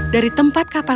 dari tempat kapal